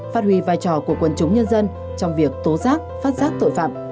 phát huy vai trò của quần chúng nhân dân trong việc tố giác phát giác tội phạm